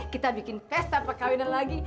kita bikin pesta perkawinan lagi